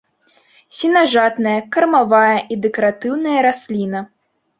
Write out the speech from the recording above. Сенажатная, кармавая і дэкаратыўная расліна.